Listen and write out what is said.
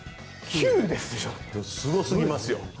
すごすぎますよ。